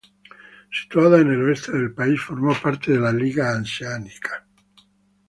Situada en el oeste del país, formó parte de la Liga Hanseática.